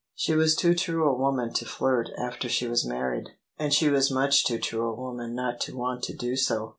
She was too true a woman to flirt after she was married: and she was much too true a woman not to want to do so.